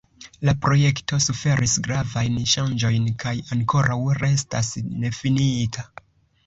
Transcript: La projekto suferis gravajn ŝanĝojn kaj ankoraŭ restas nefinita.